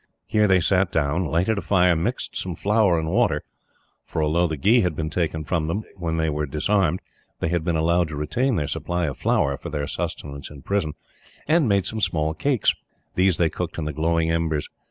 Here they sat down, lighted a fire, mixed some flour and water for although the ghee had been taken from them, when they were disarmed, they had been allowed to retain their supply of flour, for their sustenance in prison and made some small cakes. These they cooked in the glowing embers.